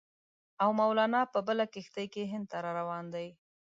او مولنا په بله کښتۍ کې هند ته را روان دی.